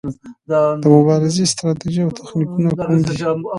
د مبارزې ستراتیژي او تخنیکونه کوم دي؟